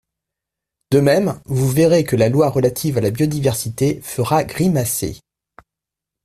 De même, vous verrez que la loi relative à la biodiversité fera grimacer.